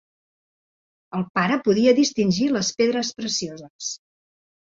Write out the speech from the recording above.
El pare podia distingir les pedres precioses.